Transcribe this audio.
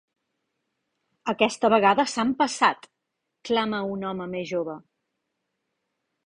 Aquesta vegada s'han passat —clama un home més jove—.